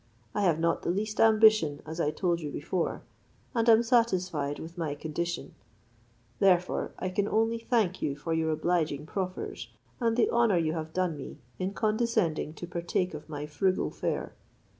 I have not the least ambition, as I told you before; and am satisfied with my condition: therefore, I can only thank you for your obliging proffers, and the honour you have done me in condescending to partake of my frugal fare.